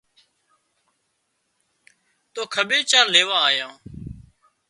تو کٻير چار ليوا آيان